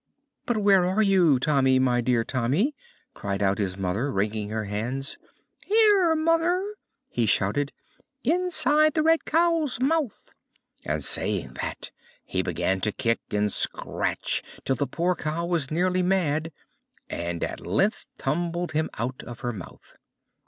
"But where are you, Tommy, my dear Tommy?" cried out his mother, wringing her hands. "Here, mother," he shouted, "inside the red cow's mouth!" And, saying that, he began to kick and scratch till the poor cow was nearly mad, and at length tumbled him out of her mouth.